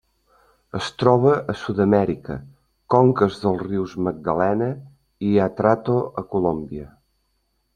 Es troba a Sud-amèrica: conques dels rius Magdalena i Atrato a Colòmbia.